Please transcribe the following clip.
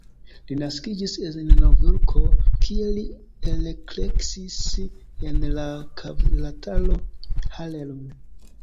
Li naskiĝis en Novjorko, kie li elkreskis en la kvartalo Harlem.